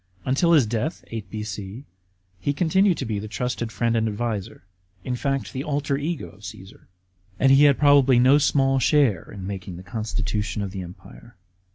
Until his death, (8 B.C.) he continued to be the trusted friend and adviser, in fact, the alter ego of Caesar ; and he had probably no small share in making the constitution of the Empire.